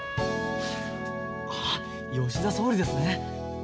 ああ吉田総理ですね。